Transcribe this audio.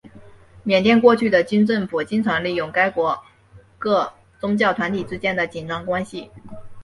缅甸过去的军政府经常利用该国各宗教团体之间的紧张关系。